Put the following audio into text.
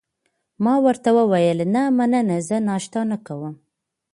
ما ورته وویل: نه، مننه، زه ناشته نه کوم.